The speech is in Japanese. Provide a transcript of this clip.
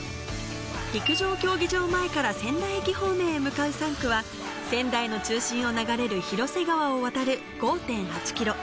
陸上競技場前から仙台駅方面へ向かう３区は仙台の中心を流れる広瀬川を渡る５．８ｋｍ。